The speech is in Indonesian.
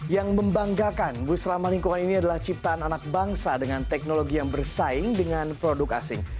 yang membanggakan bus ramah lingkungan ini adalah ciptaan anak bangsa dengan teknologi yang bersaing dengan produk asing